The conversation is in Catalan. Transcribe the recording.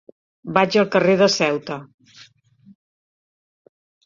Vaig al carrer de Ceuta.